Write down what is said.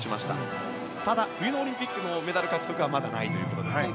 ただ、冬のオリンピックのメダル獲得はまだないということです。